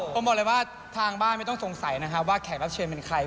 ผมบอกเลยว่าทางบ้านไม่ต้องสงสัยนะครับว่าแขกรับเชิญเป็นใคร